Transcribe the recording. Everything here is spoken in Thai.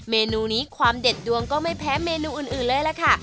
เมนูนี้ความเด็ดดวงก็ไม่แพ้เมนูอื่นเลยล่ะค่ะ